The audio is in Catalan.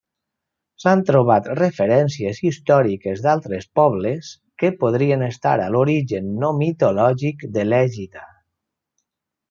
S'han trobat referències històriques d'altres pobles que podrien estar a l'origen no mitològic de l'ègida.